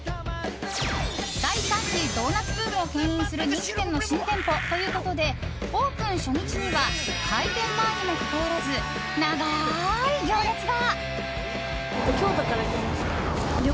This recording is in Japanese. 第３次ドーナツブームを牽引する人気店の新店舗ということでオープン初日には開店前にもかかわらず長い行列が。